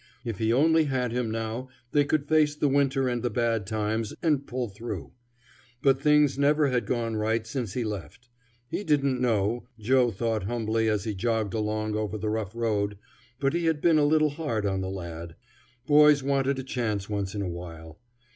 If he only had him now, they could face the winter and the bad times, and pull through. But things never had gone right since he left. He didn't know, Joe thought humbly as he jogged along over the rough road, but he had been a little hard on the lad. Boys wanted a chance once in a while.